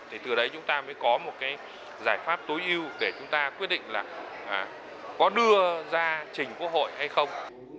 thì từ đấy chúng ta mới có một cái giải pháp tối ưu để chúng ta quyết định là có đưa ra trình quốc hội hay không